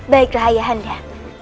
baiklah ayah anda